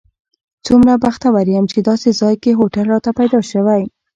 څومره بختور یم چې داسې ځای کې هوټل راته پیدا شوی.